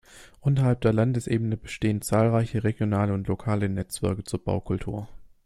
Unterhalb der Landesebene bestehen zahlreiche regionale und lokale Netzwerke zur Baukultur.